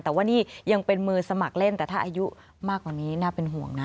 แต่ว่านี่ยังเป็นมือสมัครเล่นแต่ถ้าอายุมากกว่านี้น่าเป็นห่วงนะ